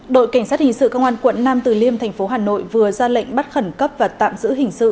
đội cảnh sát hình sự công an quận nam từ liêm thành phố hà nội vừa ra lệnh bắt khẩn cấp và tạm giữ hình sự